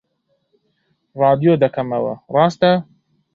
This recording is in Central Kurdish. ڕادیۆ دەکەمەوە، ڕاستە